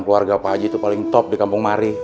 keluarga pak haji itu paling top di kampung mari